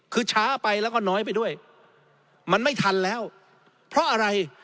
คือช้าไปแล้วก็น้อยไปด้วยมันไม่ทันแล้วเพราะอะไร